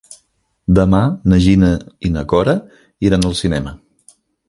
Demà na Gina i na Cora iran al cinema.